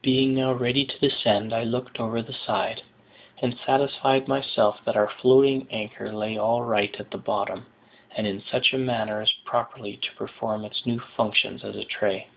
Being now ready to descend, I looked over the side, and satisfied myself that our floating anchor lay all right at the bottom, and in such a manner as properly to perform its new functions as a tray.